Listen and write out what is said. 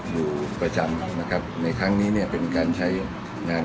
อยู่ประจำนะครับในครั้งนี้เนี่ยเป็นการใช้งาน